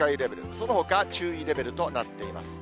そのほか注意レベルとなっています。